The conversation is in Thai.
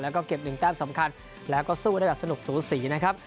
แล้วก็เก็บ๑แต้มสำคัญแล้วก็สู้ได้แบบสนุกสูสีนะครับ